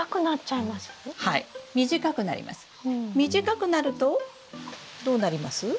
短くなるとどうなります？